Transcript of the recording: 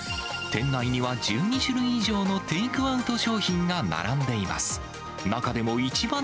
店内には１２種類以上のテイクアウト商品が並んでいます。